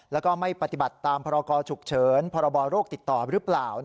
แล้วก็ไม่ปฏิบัติตามพรกรฉุกเฉินพรบโรคติดต่อหรือเปล่า